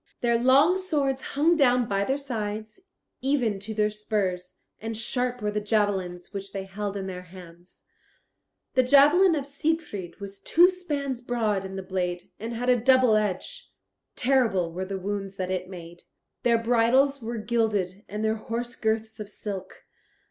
Their long swords hung down by their sides, even to their spurs, and sharp were the javelins which they held in their hands. The javelin of Siegfried was two spans broad in the blade, and had a double edge. Terrible were the wounds that it made. Their bridles were gilded, and their horse girths of silk.